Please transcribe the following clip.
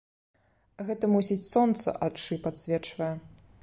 Гэта, мусіць, сонца ад шыб адсвечвае.